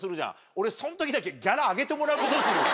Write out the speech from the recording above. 俺そん時だけギャラ上げてもらうことにするわ！